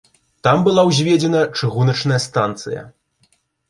Там была ўзведзена чыгуначная станцыя.